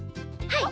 はい。